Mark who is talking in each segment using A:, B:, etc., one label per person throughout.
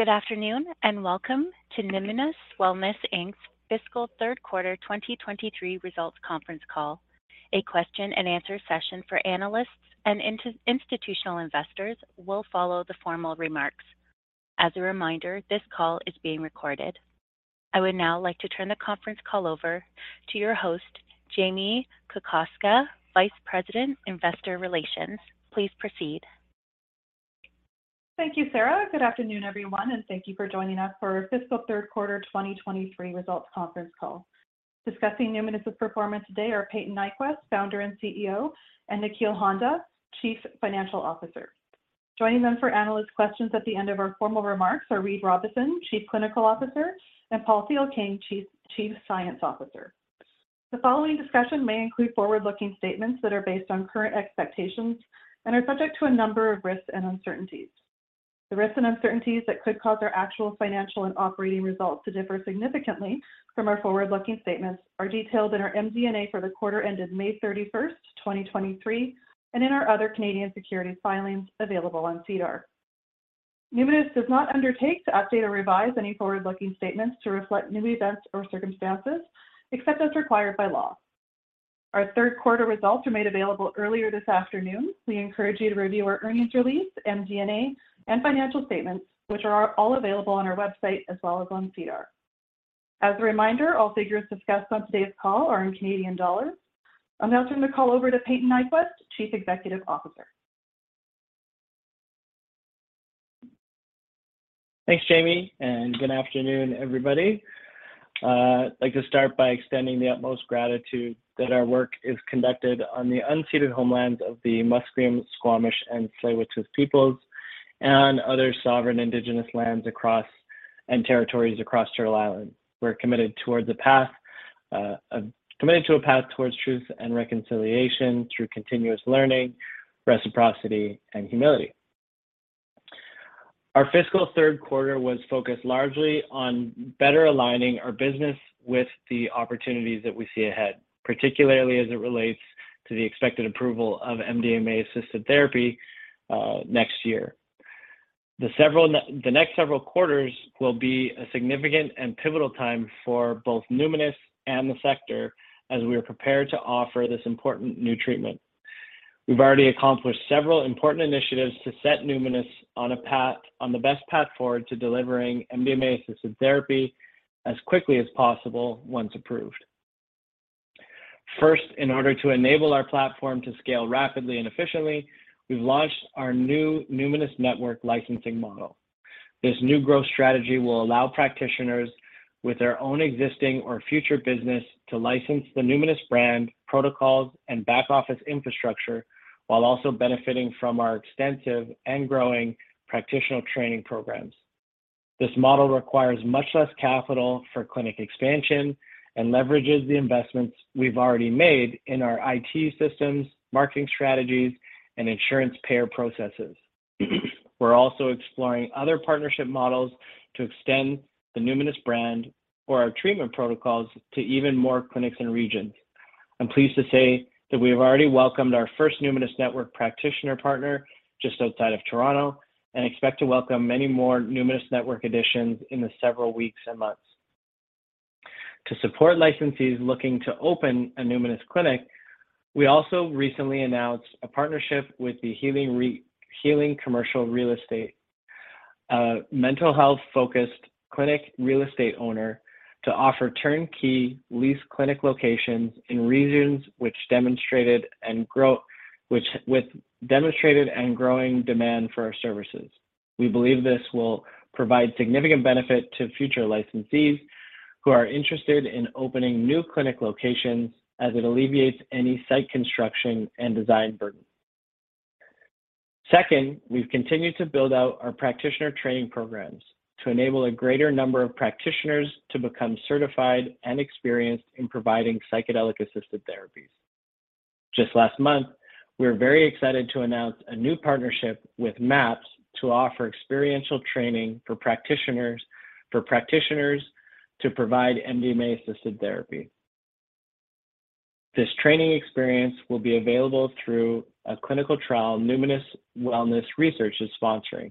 A: Good afternoon, and welcome to Numinus Wellness Inc's Fiscal Third Quarter 2023 Results Conference Call. A question-and-answer session for analysts and institutional investors will follow the formal remarks. As a reminder, this call is being recorded. I would now like to turn the conference call over to your host, Jamie Kokoska, Vice President, Investor Relations. Please proceed.
B: Thank you, Sarah. Good afternoon, everyone, and thank you for joining us for our Fiscal Third Quarter 2023 Results Conference Call. Discussing Numinus' performance today are Payton Nyquvest, Founder and CEO, and Nikhil Handa, Chief Financial Officer. Joining them for analyst questions at the end of our formal remarks are Reid Robison, Chief Clinical Officer, and Paul Thielking, Chief Science Officer. The following discussion may include forward-looking statements that are based on current expectations and are subject to a number of risks and uncertainties. The risks and uncertainties that could cause our actual financial and operating results to differ significantly from our forward-looking statements are detailed in our MD&A for the quarter ended May 31st, 2023, and in our other Canadian securities filings available on SEDAR. Numinus does not undertake to update or revise any forward-looking statements to reflect new events or circumstances, except as required by law. Our third quarter results were made available earlier this afternoon. We encourage you to review our earnings release, MD&A, and financial statements, which are all available on our website as well as on SEDAR. As a reminder, all figures discussed on today's call are in Canadian dollars. I'll now turn the call over to Payton Nyquvest, Chief Executive Officer.
C: Thanks, Jamie. Good afternoon, everybody. I'd like to start by extending the utmost gratitude that our work is conducted on the unceded homelands of the Musqueam, Squamish, and Tsleil-Waututh peoples and other sovereign Indigenous lands and territories across Turtle Island. We're committed to a path towards truth and reconciliation through continuous learning, reciprocity, and humility. Our fiscal third quarter was focused largely on better aligning our business with the opportunities that we see ahead, particularly as it relates to the expected approval of MDMA-assisted therapy next year. The next several quarters will be a significant and pivotal time for both Numinus and the sector as we are prepared to offer this important new treatment. We've already accomplished several important initiatives to set Numinus on the best path forward to delivering MDMA-assisted therapy as quickly as possible once approved. First, in order to enable our platform to scale rapidly and efficiently, we've launched our new Numinus Network licensing model. This new growth strategy will allow practitioners with their own existing or future business to license the Numinus brand, protocols, and back-office infrastructure, while also benefiting from our extensive and growing practitioner training programs. This model requires much less capital for clinic expansion and leverages the investments we've already made in our IT systems, marketing strategies, and insurance payer processes. We're also exploring other partnership models to extend the Numinus brand or our treatment protocols to even more clinics and regions. I'm pleased to say that we have already welcomed our first Numinus Network practitioner partner just outside of Toronto and expect to welcome many more Numinus Network additions in the several weeks and months. To support licensees looking to open a Numinus clinic, we also recently announced a partnership with the Healing Commercial Real Estate, a mental health-focused clinic real estate owner, to offer turnkey lease clinic locations in regions which demonstrated and growing demand for our services. We believe this will provide significant benefit to future licensees who are interested in opening new clinic locations, as it alleviates any site construction and design burden. Second, we've continued to build out our practitioner training programs to enable a greater number of practitioners to become certified and experienced in providing psychedelic-assisted therapies. Just last month, we were very excited to announce a new partnership with MAPS to offer experiential training for practitioners to provide MDMA-assisted therapy. This training experience will be available through a clinical trial Numinus Wellness Research is sponsoring.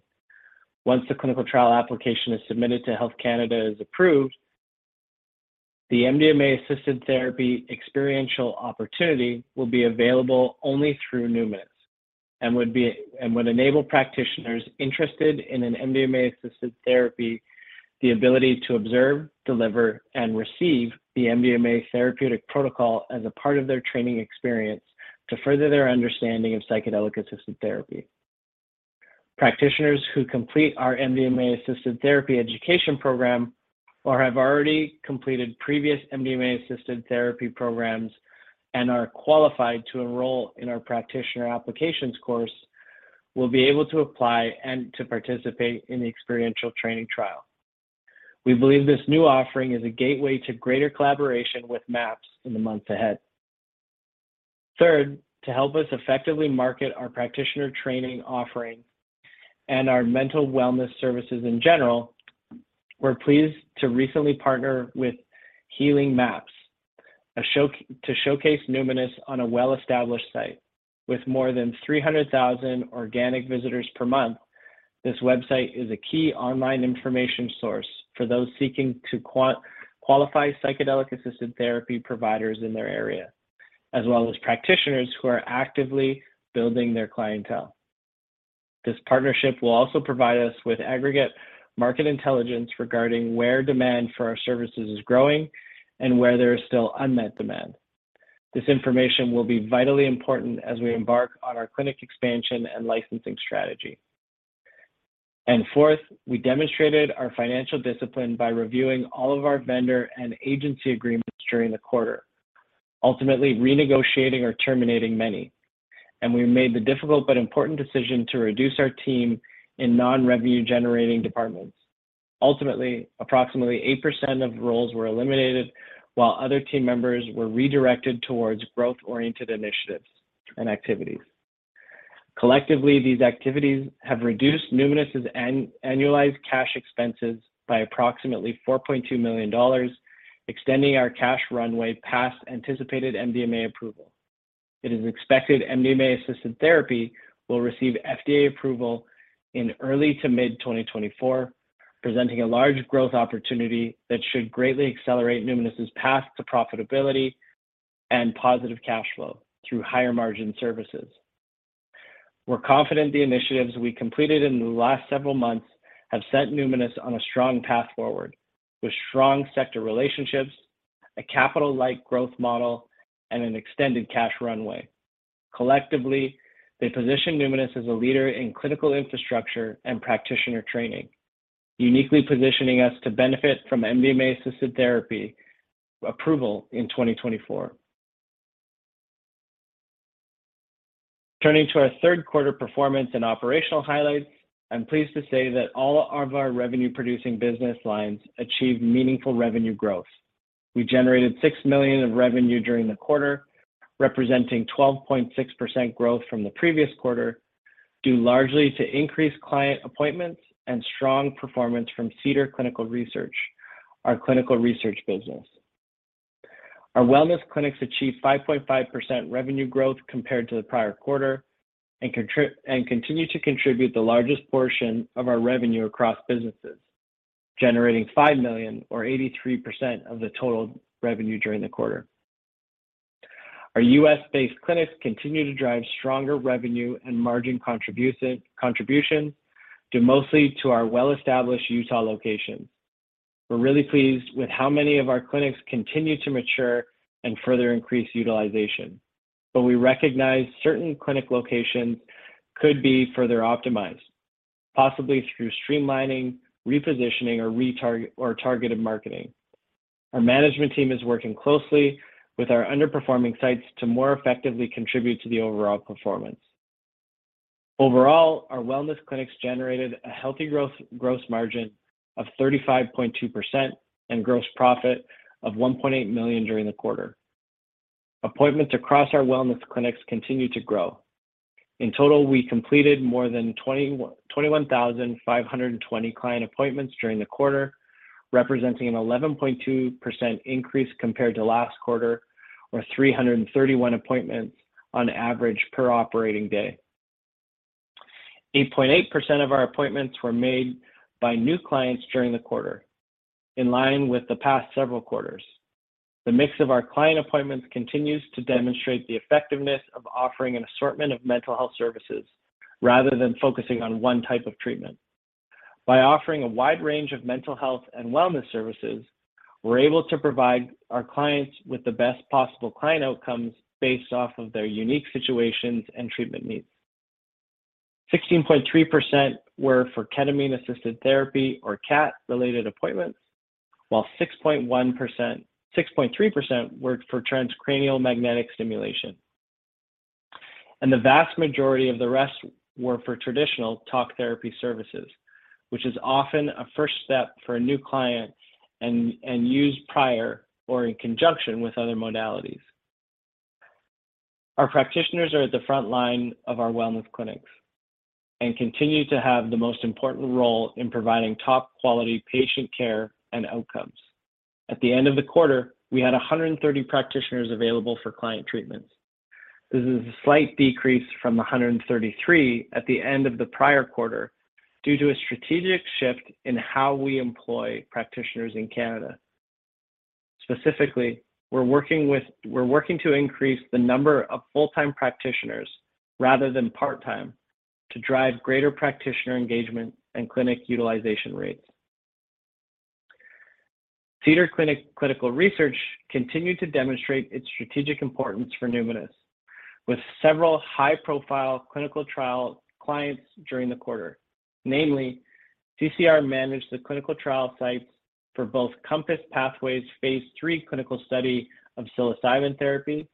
C: Once the clinical trial application is submitted to Health Canada is approved, the MDMA-assisted therapy experiential opportunity will be available only through Numinus and would enable practitioners interested in an MDMA-assisted therapy, the ability to observe, deliver, and receive the MDMA therapeutic protocol as a part of their training experience to further their understanding of psychedelic-assisted therapy. Practitioners who complete our MDMA-assisted therapy education program, or have already completed previous MDMA-assisted therapy programs and are qualified to enroll in our practitioner applications course, will be able to apply and to participate in the experiential training trial. We believe this new offering is a gateway to greater collaboration with MAPS in the months ahead. Third, to help us effectively market our practitioner training offering and our mental wellness services in general. We're pleased to recently partner with HealingMaps to showcase Numinus on a well-established site. With more than 300,000 organic visitors per month, this website is a key online information source for those seeking to qualify psychedelic-assisted therapy providers in their area, as well as practitioners who are actively building their clientele. This partnership will also provide us with aggregate market intelligence regarding where demand for our services is growing and where there is still unmet demand. This information will be vitally important as we embark on our clinic expansion and licensing strategy. Fourth, we demonstrated our financial discipline by reviewing all of our vendor and agency agreements during the quarter, ultimately renegotiating or terminating many. We made the difficult but important decision to reduce our team in non-revenue generating departments. Ultimately, approximately 8% of roles were eliminated, while other team members were redirected towards growth-oriented initiatives and activities. Collectively, these activities have reduced Numinus' annualized cash expenses by approximately 4.2 million dollars, extending our cash runway past anticipated MDMA approval. It is expected MDMA-assisted therapy will receive FDA approval in early to mid-2024, presenting a large growth opportunity that should greatly accelerate Numinus' path to profitability and positive cash flow through higher margin services. We're confident the initiatives we completed in the last several months have set Numinus on a strong path forward, with strong sector relationships, a capital-light growth model, and an extended cash runway. Collectively, they position Numinus as a leader in clinical infrastructure and practitioner training, uniquely positioning us to benefit from MDMA-assisted therapy approval in 2024. Turning to our third quarter performance and operational highlights, I'm pleased to say that all of our revenue-producing business lines achieved meaningful revenue growth. We generated 6 million of revenue during the quarter, representing 12.6% growth from the previous quarter, due largely to increased client appointments and strong performance from Cedar Clinical Research, our clinical research business. Our wellness clinics achieved 5.5% revenue growth compared to the prior quarter, and continue to contribute the largest portion of our revenue across businesses, generating 5 million or 83% of the total revenue during the quarter. Our U.S.-based clinics continue to drive stronger revenue and margin contribution, due mostly to our well-established Utah location. We're really pleased with how many of our clinics continue to mature and further increase utilization. We recognize certain clinic locations could be further optimized, possibly through streamlining, repositioning, or targeted marketing. Our management team is working closely with our underperforming sites to more effectively contribute to the overall performance. Our wellness clinics generated a healthy growth, gross margin of 35.2% and gross profit of 1.8 million during the quarter. Appointments across our wellness clinics continued to grow. In total, we completed more than 21,520 client appointments during the quarter, representing an 11.2% increase compared to last quarter, or 331 appointments on average per operating day. 8.8% of our appointments were made by new clients during the quarter, in line with the past several quarters. The mix of our client appointments continues to demonstrate the effectiveness of offering an assortment of mental health services, rather than focusing on one type of treatment. By offering a wide range of mental health and wellness services, we're able to provide our clients with the best possible client outcomes based off of their unique situations and treatment needs. 16.3% were for ketamine-assisted therapy or KAT-related appointments, while 6.3% were for transcranial magnetic stimulation, and the vast majority of the rest were for traditional talk therapy services, which is often a first step for a new client and used prior or in conjunction with other modalities. Our practitioners are at the front line of our wellness clinics and continue to have the most important role in providing top quality patient care and outcomes. At the end of the quarter, we had 130 practitioners available for client treatments. This is a slight decrease from the 133 at the end of the prior quarter, due to a strategic shift in how we employ practitioners in Canada. Specifically, we're working to increase the number of full-time practitioners rather than part-time, to drive greater practitioner engagement and clinic utilization rates. Cedar Clinical Research continued to demonstrate its strategic importance for Numinus, with several high-profile clinical trial clients during the quarter. Namely, CCR managed the clinical trial sites for both COMPASS Pathways phase III clinical study of psilocybin therapy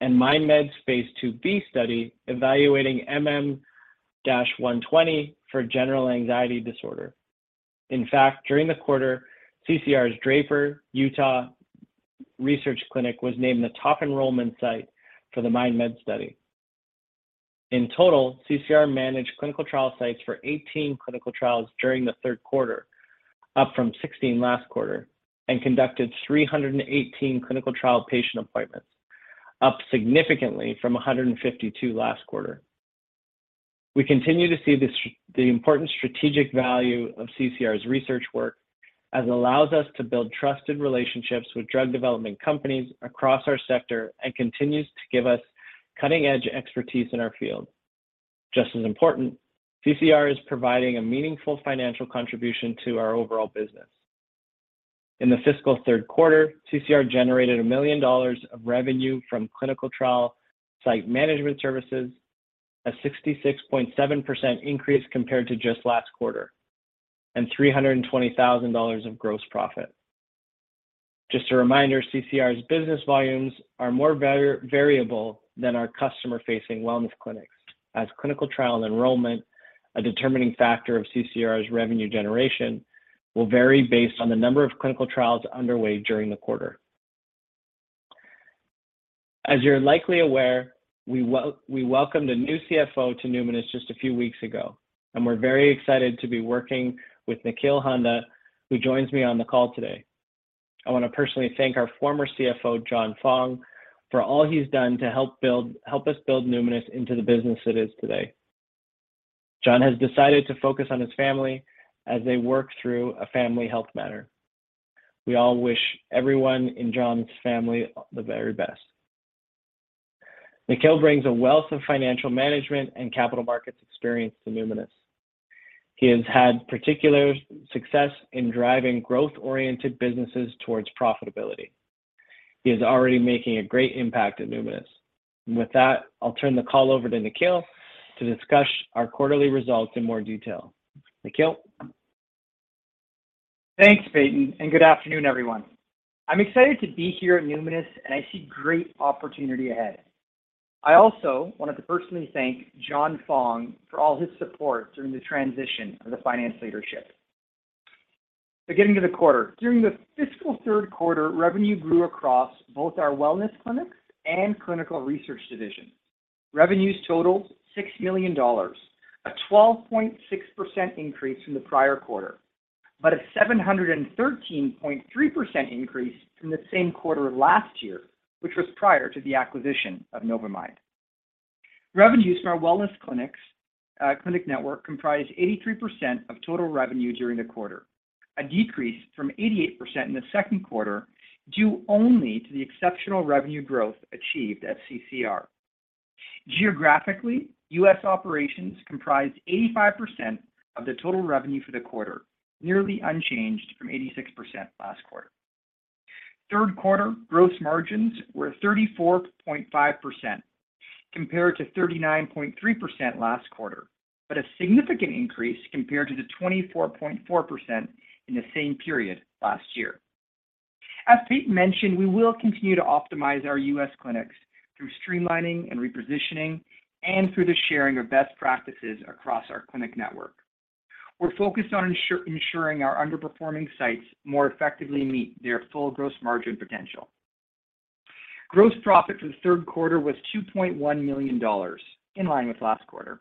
C: and MindMed's phase IIB study, evaluating MM-120 for generalized anxiety disorder. In fact, during the quarter, CCR's Draper, Utah research clinic was named the top enrollment site for the MindMed study. In total, CCR managed clinical trial sites for 18 clinical trials during the third quarter, up from 16 last quarter, and conducted 318 clinical trial patient appointments, up significantly from 152 last quarter. We continue to see the important strategic value of CCR's research work, as it allows us to build trusted relationships with drug development companies across our sector and continues to give us cutting-edge expertise in our field. Just as important, CCR is providing a meaningful financial contribution to our overall business. In the fiscal third quarter, CCR generated 1 million dollars of revenue from clinical trial site management services, a 66.7% increase compared to just last quarter, and 320,000 dollars of gross profit. Just a reminder, CCR's business volumes are more variable than our customer-facing wellness clinics. As clinical trial enrollment, a determining factor of CCR's revenue generation, will vary based on the number of clinical trials underway during the quarter. As you're likely aware, we welcomed a new CFO to Numinus just a few weeks ago. We're very excited to be working with Nikhil Handa, who joins me on the call today. I want to personally thank our former CFO, John Fong, for all he's done to help us build Numinus into the business it is today. John has decided to focus on his family as they work through a family health matter. We all wish everyone in John's family the very best. Nikhil brings a wealth of financial management and capital markets experience to Numinus. He has had particular success in driving growth-oriented businesses towards profitability. He is already making a great impact at Numinus. With that, I'll turn the call over to Nikhil to discuss our quarterly results in more detail. Nikhil?
D: Thanks, Payton, and good afternoon, everyone. I'm excited to be here at Numinus, and I see great opportunity ahead. I also wanted to personally thank John Fong for all his support during the transition of the finance leadership. Beginning of the quarter. During the fiscal third quarter, revenue grew across both our wellness clinics and clinical research division. Revenues totaled 6 million dollars, a 12.6% increase from the prior quarter, but a 713.3% increase from the same quarter last year, which was prior to the acquisition of Novamind. Revenues from our wellness clinics, clinic network comprised 83% of total revenue during the quarter, a decrease from 88% in the second quarter, due only to the exceptional revenue growth achieved at CCR. Geographically, U.S. operations comprised 85% of the total revenue for the quarter, nearly unchanged from 86% last quarter. 3rd quarter gross margins were 34.5%, compared to 39.3% last quarter, but a significant increase compared to the 24.4% in the same period last year. As Peyton mentioned, we will continue to optimize our U.S. clinics through streamlining and repositioning and through the sharing of best practices across our clinic network. We're focused on ensuring our underperforming sites more effectively meet their full gross margin potential. Gross profit for the third quarter was 2.1 million dollars, in line with last quarter.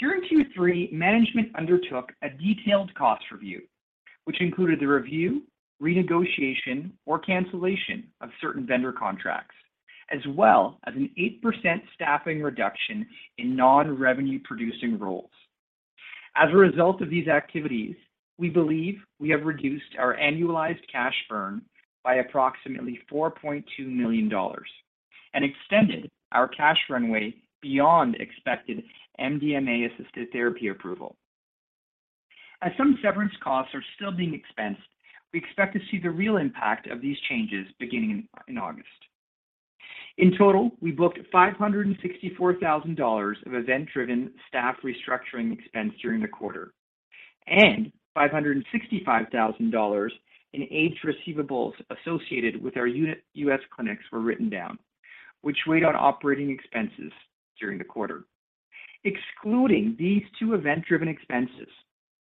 D: During Q3, management undertook a detailed cost review, which included the review, renegotiation, or cancellation of certain vendor contracts, as well as an 8% staffing reduction in non-revenue-producing roles. As a result of these activities, we believe we have reduced our annualized cash burn by approximately 4.2 million dollars and extended our cash runway beyond expected MDMA-assisted therapy approval. As some severance costs are still being expensed, we expect to see the real impact of these changes beginning in August. In total, we booked 564,000 dollars of event-driven staff restructuring expense during the quarter, and 565,000 dollars in age receivables associated with our U.S. clinics were written down, which weighed on operating expenses during the quarter. Excluding these two event-driven expenses,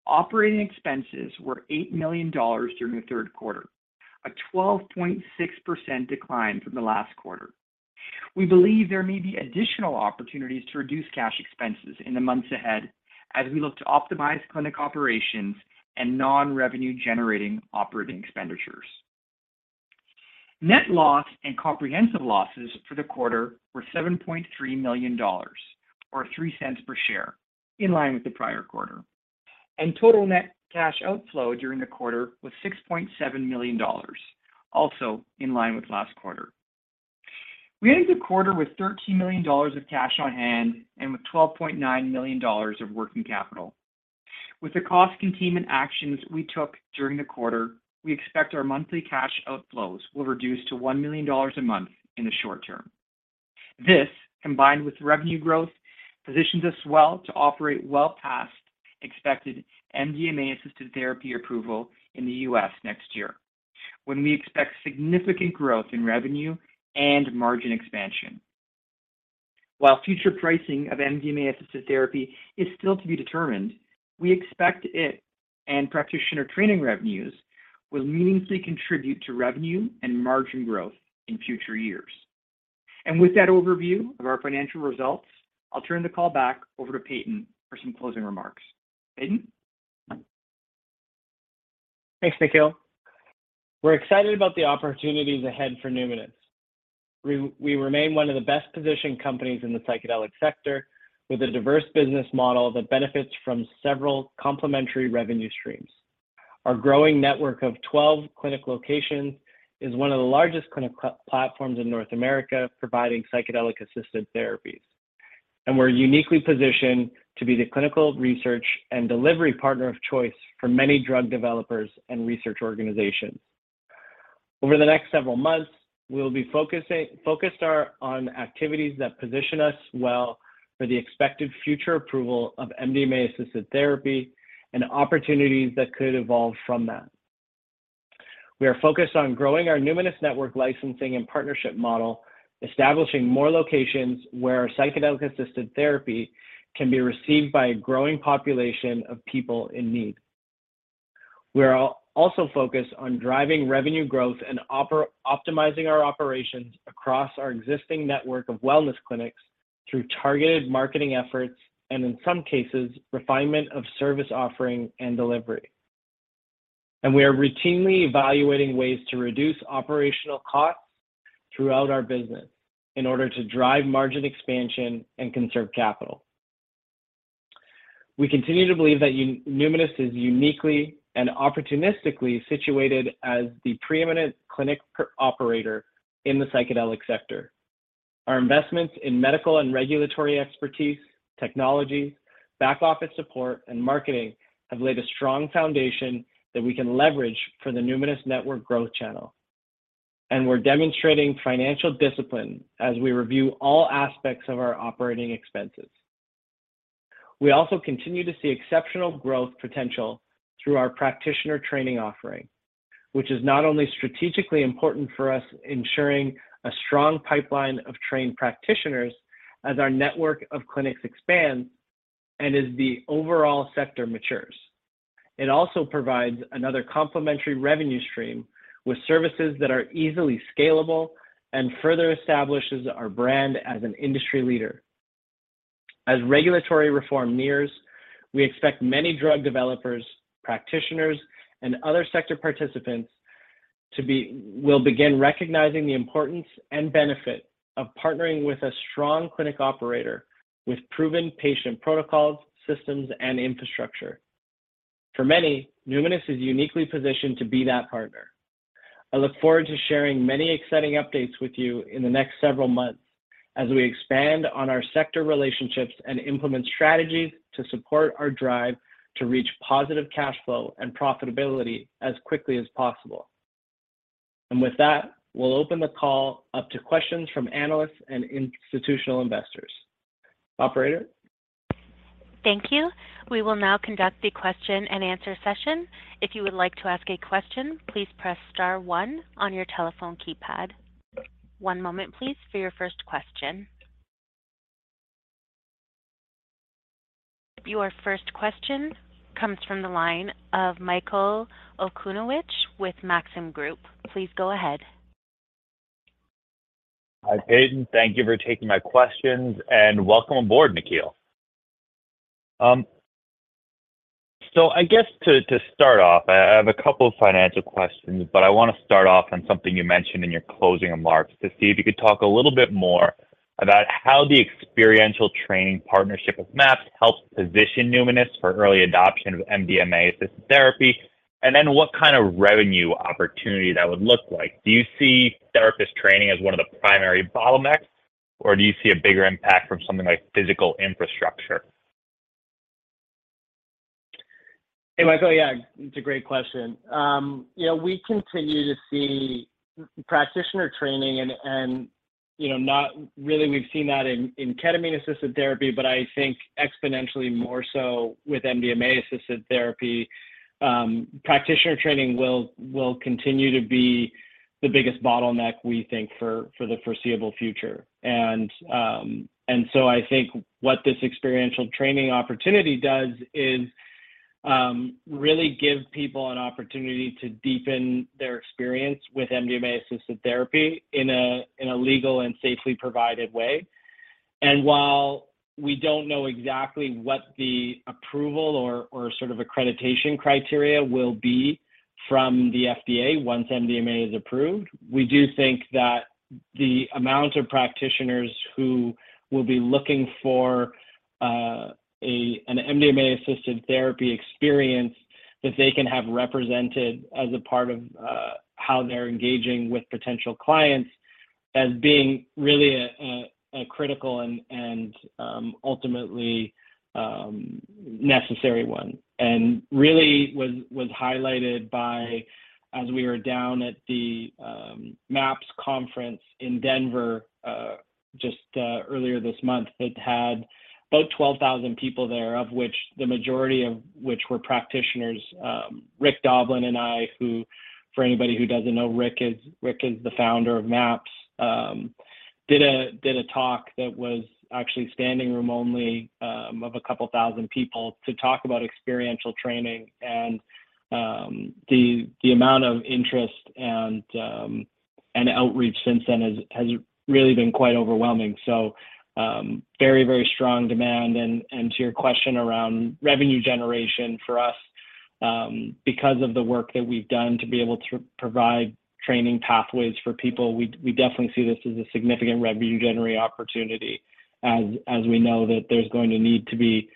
D: operating expenses were 8 million dollars during the third quarter, a 12.6% decline from the last quarter. We believe there may be additional opportunities to reduce cash expenses in the months ahead as we look to optimize clinic operations and non-revenue-generating operating expenditures. Net loss and comprehensive losses for the quarter were 7.3 million dollars, or 0.03 per share, in line with the prior quarter. Total net cash outflow during the quarter was 6.7 million dollars, also in line with last quarter. We ended the quarter with 13 million dollars of cash on hand and with 12.9 million dollars of working capital. With the cost containment actions we took during the quarter, we expect our monthly cash outflows will reduce to 1 million dollars a month in the short term. This, combined with revenue growth, positions us well to operate well past expected MDMA-assisted therapy approval in the U.S. next year, when we expect significant growth in revenue and margin expansion. While future pricing of MDMA-assisted therapy is still to be determined, we expect it and practitioner training revenues will meaningfully contribute to revenue and margin growth in future years. With that overview of our financial results, I'll turn the call back over to Payton for some closing remarks. Payton?
C: Thanks, Nikhil. We're excited about the opportunities ahead for Numinus. We remain one of the best-positioned companies in the psychedelic sector, with a diverse business model that benefits from several complementary revenue streams. We're uniquely positioned to be the clinical research and delivery partner of choice for many drug developers and research organizations. Our growing network of 12 clinic locations is one of the largest clinic platforms in North America, providing psychedelic-assisted therapies. Over the next several months, we'll be focused our on activities that position us well for the expected future approval of MDMA-assisted therapy and opportunities that could evolve from that. We are focused on growing our Numinus Network licensing and partnership model, establishing more locations where psychedelic-assisted therapy can be received by a growing population of people in need. We're also focused on driving revenue growth and optimizing our operations across our existing network of wellness clinics through targeted marketing efforts and, in some cases, refinement of service offering and delivery. We are routinely evaluating ways to reduce operational costs throughout our business in order to drive margin expansion and conserve capital. We continue to believe that Numinus is uniquely and opportunistically situated as the preeminent clinic operator in the psychedelic sector. Our investments in medical and regulatory expertise, technology, back office support, and marketing have laid a strong foundation that we can leverage for the Numinus Network growth channel. We're demonstrating financial discipline as we review all aspects of our operating expenses. We also continue to see exceptional growth potential through our practitioner training offering, which is not only strategically important for us, ensuring a strong pipeline of trained practitioners as our network of clinics expands and as the overall sector matures. It also provides another complementary revenue stream with services that are easily scalable and further establishes our brand as an industry leader. As regulatory reform nears, we expect many drug developers, practitioners, and other sector participants will begin recognizing the importance and benefit of partnering with a strong clinic operator with proven patient protocols, systems, and infrastructure. For many, Numinus is uniquely positioned to be that partner. I look forward to sharing many exciting updates with you in the next several months as we expand on our sector relationships and implement strategies to support our drive to reach positive cash flow and profitability as quickly as possible. With that, we'll open the call up to questions from analysts and institutional investors. Operator?
A: Thank you. We will now conduct the question-and-answer session. If you would like to ask a question, please press star one on your telephone keypad. One moment, please, for your first question. Your first question comes from the line of Michael Okunewitch with Maxim Group. Please go ahead.
E: Hi, Payton. Thank you for taking my questions. Welcome aboard, Nikhil. I guess to start off, I have a couple of financial questions, but I wanna start off on something you mentioned in your closing remarks, to see if you could talk a little bit more about how the experiential training partnership with MAPS helps position Numinus for early adoption of MDMA-assisted therapy, and then what kind of revenue opportunity that would look like. Do you see therapist training as one of the primary bottlenecks, or do you see a bigger impact from something like physical infrastructure?
C: Hey, Michael. Yeah, it's a great question. you know, we continue to see practitioner training and, you know, not really we've seen that in ketamine-assisted therapy, but I think exponentially more so with MDMA-assisted therapy. Practitioner training will continue to be the biggest bottleneck, we think, for the foreseeable future. I think what this experiential training opportunity does is really give people an opportunity to deepen their experience with MDMA-assisted therapy in a legal and safely provided way. While we don't know exactly what the approval or sort of accreditation criteria will be from the FDA once MDMA is approved, we do think that the amount of practitioners who will be looking for an MDMA-assisted therapy experience, that they can have represented as a part of how they're engaging with potential clients, as being really a critical and ultimately necessary one. Really was highlighted by, as we were down at the MAPS conference in Denver, just earlier this month. It had about 12,000 people there, of which the majority were practitioners. Rick Doblin and I, who, for anybody who doesn't know, Rick is the founder of MAPS. Did a talk that was actually standing room only, of a couple thousand people to talk about experiential training. The amount of interest and outreach since then has really been quite overwhelming. Very strong demand. To your question around revenue generation for us, because of the work that we've done to be able to provide training pathways for people, we definitely see this as a significant revenue-generating opportunity, as we know that there's going to need to be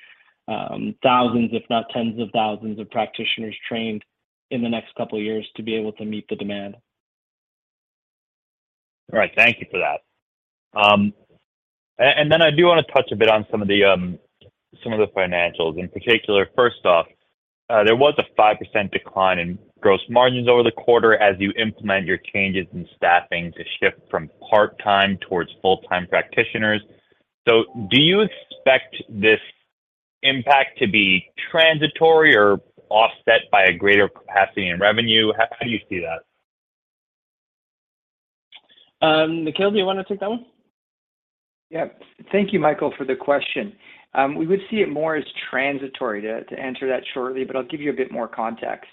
C: thousands, if not tens of thousands, of practitioners trained in the next couple of years to be able to meet the demand.
E: All right. Thank you for that. I do want to touch a bit on some of the financials, in particular. First off, there was a 5% decline in gross margins over the quarter as you implement your changes in staffing to shift from part-time towards full-time practitioners. Do you expect this impact to be transitory or offset by a greater capacity in revenue? How do you see that?
C: Nikhil, do you want to take that one?
D: Yep. Thank you, Michael, for the question. We would see it more as transitory, to answer that shortly, but I'll give you a bit more context.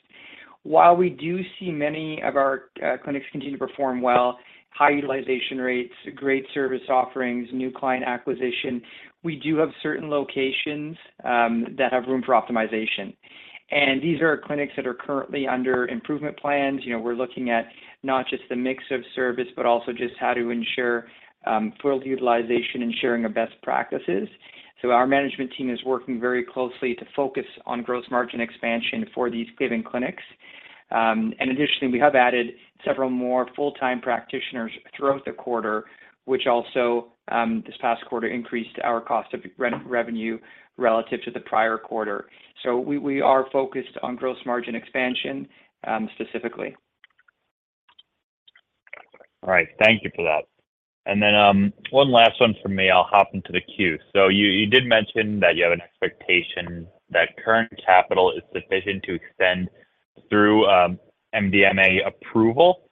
D: While we do see many of our clinics continue to perform well, high utilization rates, great service offerings, new client acquisition, we do have certain locations that have room for optimization. These are clinics that are currently under improvement plans. You know, we're looking at not just the mix of service, but also just how to ensure full utilization and sharing of best practices. Our management team is working very closely to focus on gross margin expansion for these given clinics. Additionally, we have added several more full-time practitioners throughout the quarter, which also this past quarter, increased our cost of re-revenue relative to the prior quarter. We are focused on gross margin expansion, specifically.
E: All right. Thank you for that. One last one from me, I'll hop into the queue. You, you did mention that you have an expectation that current capital is sufficient to extend through MDMA approval,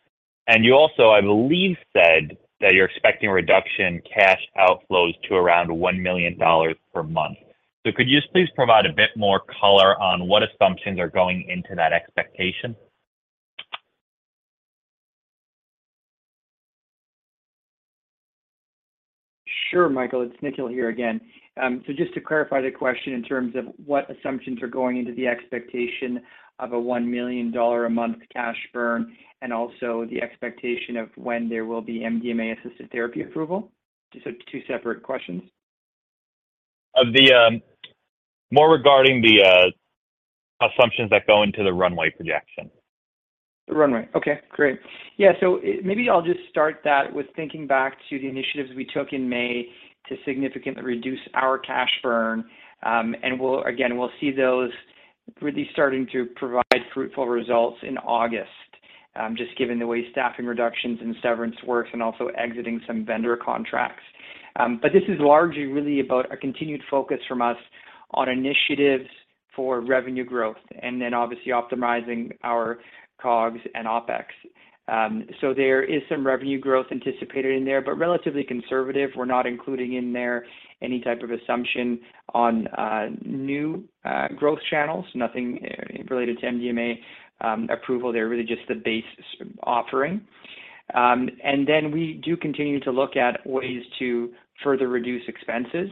E: and you also, I believe, said that you're expecting a reduction in cash outflows to around 1 million dollars per month. Could you just please provide a bit more color on what assumptions are going into that expectation?
D: Sure, Michael. It's Nikhil here again. Just to clarify the question in terms of what assumptions are going into the expectation of a 1 million dollar a month cash burn, and also the expectation of when there will be MDMA-assisted therapy approval. Two separate questions.
E: More regarding the assumptions that go into the runway projection.
D: The runway. Okay, great. Maybe I'll just start that with thinking back to the initiatives we took in May to significantly reduce our cash burn. Again, we'll see those really starting to provide fruitful results in August, just given the way staffing reductions and severance works, and also exiting some vendor contracts. This is largely really about a continued focus from us on initiatives for revenue growth, and then obviously optimizing our COGS and OPEX. There is some revenue growth anticipated in there, but relatively conservative. We're not including in there any type of assumption on new growth channels, nothing related to MDMA approval. They're really just the base offering. We do continue to look at ways to further reduce expenses,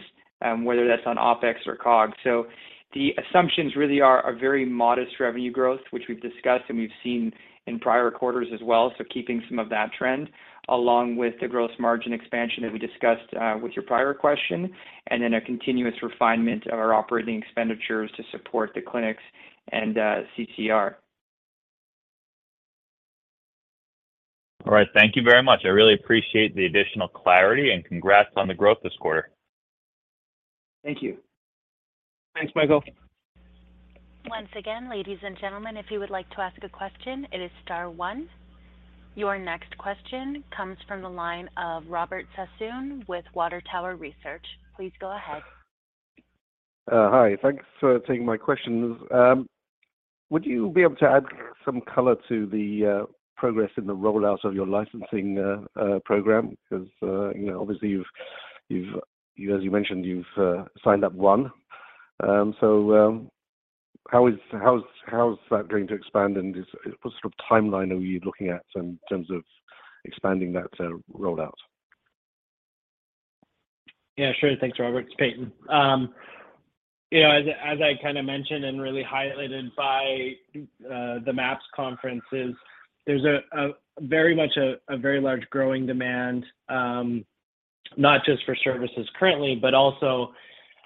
D: whether that's on OPEX or COGS. The assumptions really are very modest revenue growth, which we've discussed and we've seen in prior quarters as well. Keeping some of that trend, along with the gross margin expansion that we discussed with your prior question, and then a continuous refinement of our operating expenditures to support the clinics and CCR.
E: All right. Thank you very much. I really appreciate the additional clarity, and congrats on the growth this quarter.
D: Thank you.
C: Thanks, Michael.
A: Once again, ladies and gentlemen, if you would like to ask a question, it is star one. Your next question comes from the line of Robert Sassoon with Water Tower Research. Please go ahead.
F: Hi. Thanks for taking my questions. Would you be able to add some color to the progress in the rollout of your licensing program? You know, obviously, you've, as you mentioned, you've signed up one. How is that going to expand, and what sort of timeline are you looking at in terms of expanding that rollout?
C: Yeah, sure. Thanks, Robert. It's Payton. You know, as I kind of mentioned and really highlighted by the MAPS conferences, there's a very much a very large growing demand, not just for services currently, but also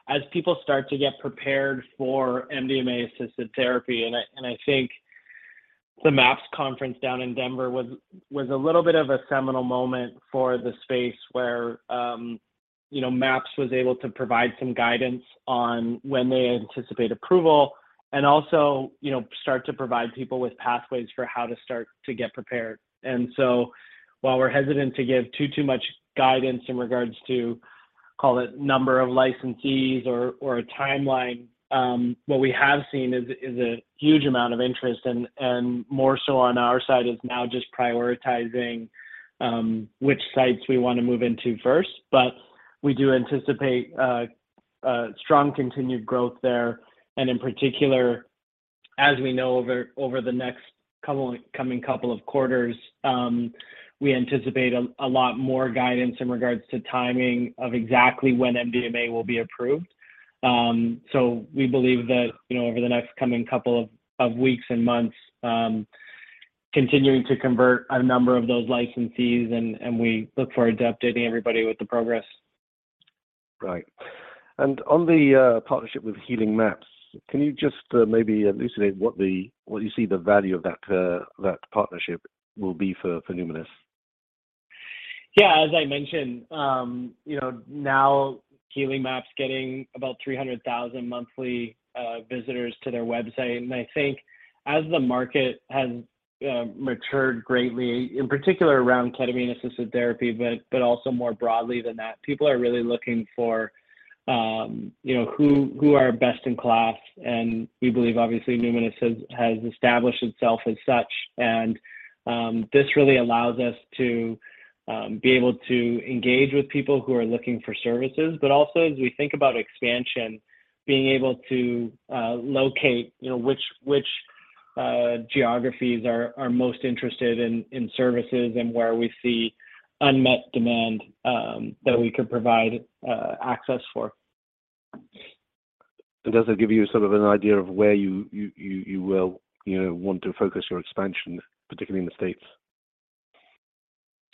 C: as people start to get prepared for MDMA-assisted therapy. I think the MAPS conference down in Denver was a little bit of a seminal moment for the space where, you know, MAPS was able to provide some guidance on when they anticipate approval and also, you know, start to provide people with pathways for how to start to get prepared. While we're hesitant to give too much guidance in regards to call it number of licensees or a timeline. What we have seen is a huge amount of interest, and more so on our side, is now just prioritizing which sites we want to move into first. We do anticipate a strong continued growth there, and in particular, as we know, over the next coming couple of quarters, we anticipate a lot more guidance in regards to timing of exactly when MDMA will be approved. We believe that, you know, over the next coming couple of weeks and months, continuing to convert a number of those licensees, and we look forward to updating everybody with the progress.
F: Right. On the partnership with HealingMaps, can you just maybe elucidate what the, what you see the value of that partnership will be for Numinus?
C: Yeah, as I mentioned, you know, now HealingMaps is getting about 300,000 monthly visitors to their website. I think as the market has matured greatly, in particular around ketamine-assisted therapy, but also more broadly than that, people are really looking for, you know, who are best-in-class, and we believe, obviously, Numinus has established itself as such. This really allows us to be able to engage with people who are looking for services, but also, as we think about expansion, being able to locate, you know, which geographies are most interested in services and where we see unmet demand that we could provide access for.
F: Does it give you sort of an idea of where you will, you know, want to focus your expansion, particularly in the States?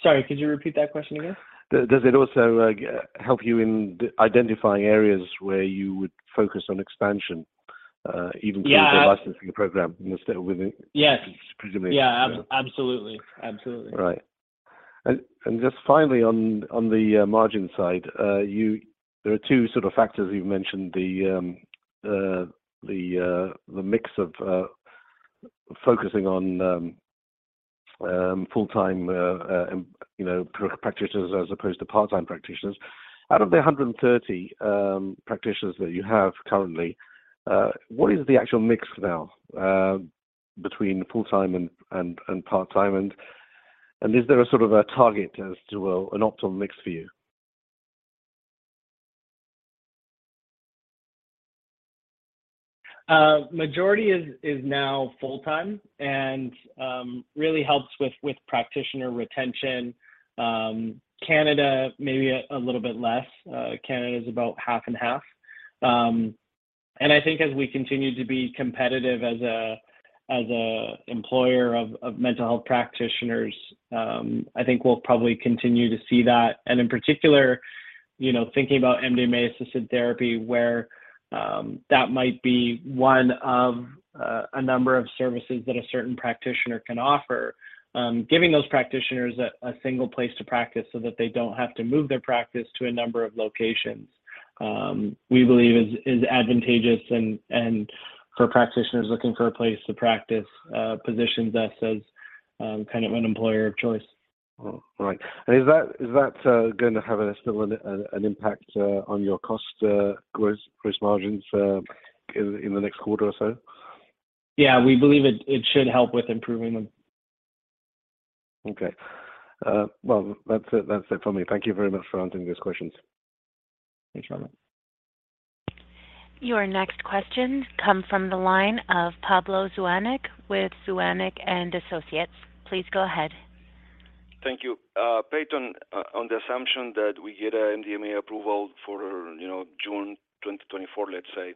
C: Sorry, could you repeat that question again?
F: Does it also help you in identifying areas where you would focus on expansion?
C: Yeah
F: With the licensing program within
C: Yes.
F: Presumably.
C: Yeah, absolutely. Absolutely.
F: Right. Just finally on the margin side, there are two sort of factors you've mentioned: the mix of focusing on full-time, you know, practitioners as opposed to part-time practitioners. Out of the 130 practitioners that you have currently, what is the actual mix now between full-time and part-time? Is there a sort of a target as to an optimal mix for you?
C: Majority is now full-time and really helps with practitioner retention. Canada, maybe a little bit less. Canada is about half and half. I think as we continue to be competitive as a employer of mental health practitioners, I think we'll probably continue to see that. In particular, you know, thinking about MDMA-assisted therapy, where that might be one of a number of services that a certain practitioner can offer. Giving those practitioners a single place to practice so that they don't have to move their practice to a number of locations, we believe is advantageous, and for practitioners looking for a place to practice, positions us as kind of an employer of choice.
F: Oh, right. Is that going to have a similar an impact on your cost gross margins in the next quarter or so?
C: Yeah, we believe it should help with improving them.
F: Okay. Well, that's it for me. Thank you very much for answering those questions.
C: Thanks, Robert.
A: Your next question come from the line of Pablo Zuanic with Zuanic & Associates. Please go ahead.
G: Thank you. Payton, on the assumption that we get a MDMA approval for, you know, June 2024, let's say,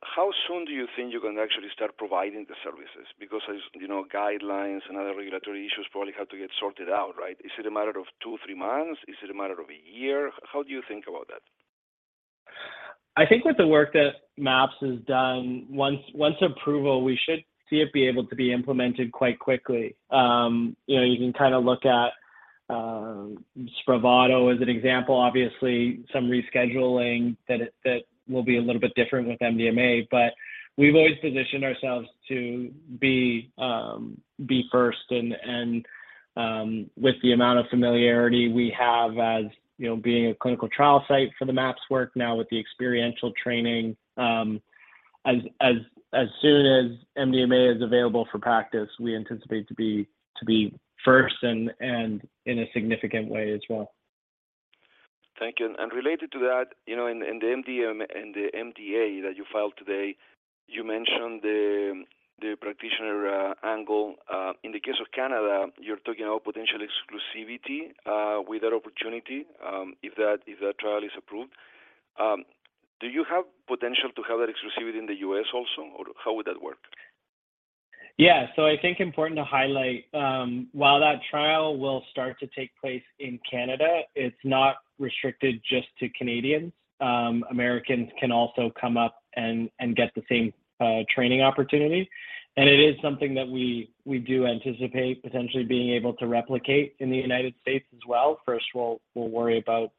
G: how soon do you think you can actually start providing the services? As you know, guidelines and other regulatory issues probably have to get sorted out, right? Is it a matter of two, three months? Is it a matter of a year? How do you think about that?
C: I think with the work that MAPS has done, once approval, we should see it be able to be implemented quite quickly. You know, you can kind of look at SPRAVATO as an example. Obviously, some rescheduling that will be a little bit different with MDMA, but we've always positioned ourselves to be first, and with the amount of familiarity we have, as, you know, being a clinical trial site for the MAPS work, now with the experiential training, as soon as MDMA is available for practice, we anticipate to be first and in a significant way as well.
G: Thank you. Related to that, you know, in the MDA that you filed today, you mentioned the practitioner angle. In the case of Canada, you're talking about potential exclusivity with that opportunity, if that trial is approved. Do you have potential to have that exclusivity in the U.S. also, or how would that work?
C: I think important to highlight, while that trial will start to take place in Canada, it's not restricted just to Canadians. Americans can also come up and get the same training opportunity. It is something that we do anticipate potentially being able to replicate in the United States as well. First, we'll worry about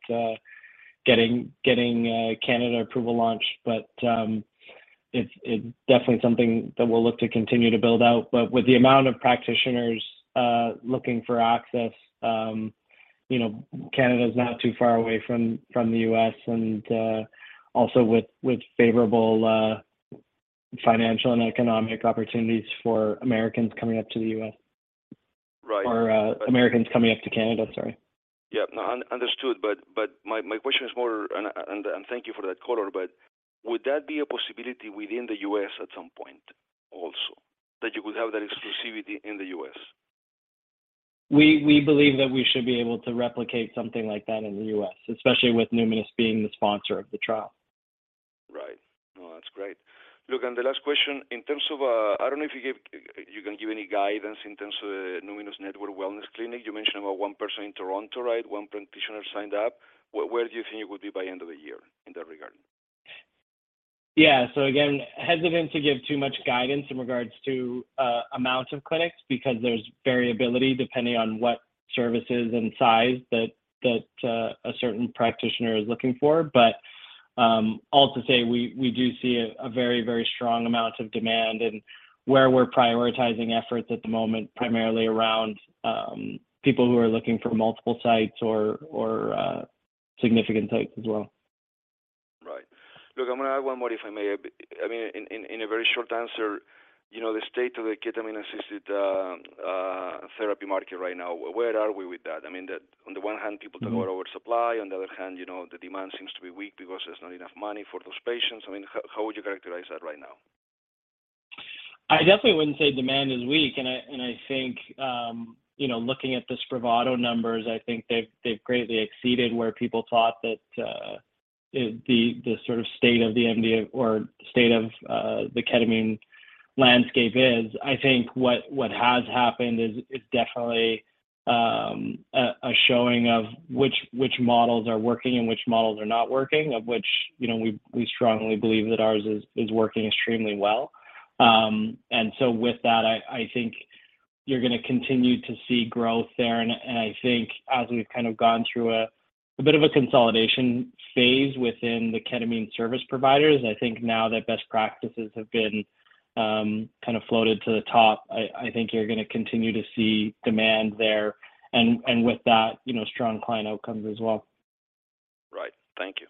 C: getting Canada approval launch. It's definitely something that we'll look to continue to build out. With the amount of practitioners looking for access, you know, Canada is not too far away from the U.S., and also with favorable financial and economic opportunities for Americans coming up to the U.S.
G: Right.
C: Americans coming up to Canada, sorry.
G: Understood. My question is more. Thank you for that color. Would that be a possibility within the U.S. at some point also, that you would have that exclusivity in the U.S.?
C: We believe that we should be able to replicate something like that in the U.S., especially with Numinus being the sponsor of the trial.
G: Right. No, that's great. Look, the last question, in terms of... I don't know if you can give any guidance in terms of Numinus Network wellness clinic. You mentioned about one person in Toronto, right? One practitioner signed up. Where do you think it will be by end of the year in that regard?
C: Yeah. Again, hesitant to give too much guidance in regards to amount of clinics, because there's variability depending on what services and size that a certain practitioner is looking for. All to say, we do see a very strong amount of demand. Where we're prioritizing efforts at the moment, primarily around people who are looking for multiple sites or significant sites as well.
G: Right. Look, I'm gonna add one more, if I may. I mean, in a very short answer, you know, the state of the ketamine-assisted therapy market right now, where are we with that? I mean, that on the one hand, people talk about oversupply, on the other hand, you know, the demand seems to be weak because there's not enough money for those patients. I mean, how would you characterize that right now?
C: I definitely wouldn't say demand is weak. I think, you know, looking at the SPRAVATO numbers, I think they've greatly exceeded where people thought that the sort of state of the MD or state of the ketamine landscape is. I think what has happened is definitely a showing of which models are working and which models are not working, of which, you know, we strongly believe that ours is working extremely well. With that, I think you're gonna continue to see growth there. I think as we've kind of gone through a bit of a consolidation phase within the ketamine service providers, I think now that best practices have been kind of floated to the top, I think you're gonna continue to see demand there, and with that, you know, strong client outcomes as well.
G: Right. Thank you.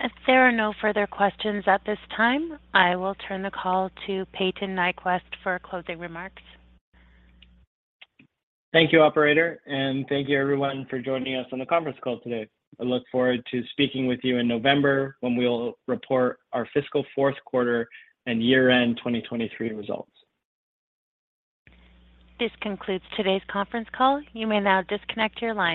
A: As there are no further questions at this time, I will turn the call to Payton Nyquvest for closing remarks.
C: Thank you, operator, and thank you, everyone, for joining us on the conference call today. I look forward to speaking with you in November, when we'll report our fiscal fourth quarter and year-end 2023 results.
A: This concludes today's conference call. You may now disconnect your line.